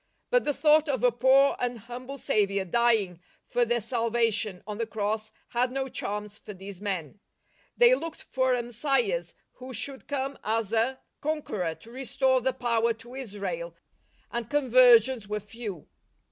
But the thought of a poor and humble Saviour dying for their salvation on the Cross had no charms for these men. They looked for a Messias who should come as a conqueror to restore the power to Israel, and conversions were few.